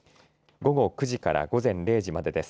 午後９時から午前０時までです。